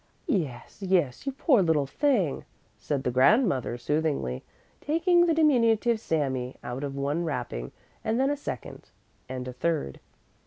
Yes, yes, you poor little thing," said the grandmother soothingly, taking the diminutive Sami out of one wrapping and then a second and a third.